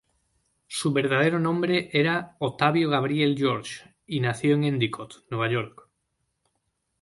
Su verdadero nombre era Ottavio Gabriel George, y nació en Endicott, Nueva York.